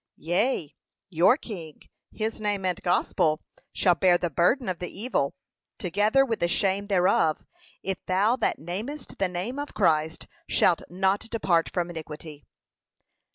yea, your King, his name and gospel shall bear the burden of the evil, together with the shame thereof, if thou that namest the name of Christ shalt not depart from iniquity.